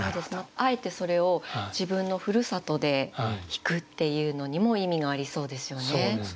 あえてそれを自分のふるさとで弾くっていうのにも意味がありそうですよね。